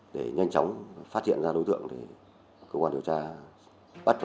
để nhanh chóng phát hiện ra đối tượng để cơ quan điều tra bắt và xử lý